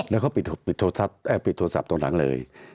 แล้วเขาปิดโทรศัพท์ตรงหลังเลย